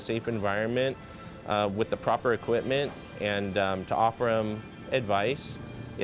jangan ada banyak kesempatan di jakarta untuk itu